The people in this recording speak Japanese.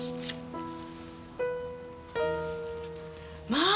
まあ！